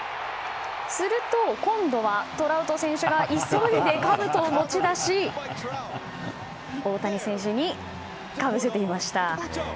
すると今度は、トラウト選手が急いでかぶとを持ち出し大谷選手にかぶせていました。